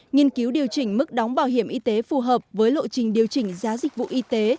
nghiên cứu điều chỉnh mức đóng bảo hiểm y tế phù hợp với lộ trình điều chỉnh giá dịch vụ y tế